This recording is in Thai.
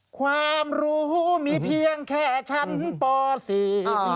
ความรู้มีเพียงแค่ชั้นปสี่